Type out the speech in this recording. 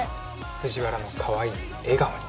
藤原のかわいい笑顔に！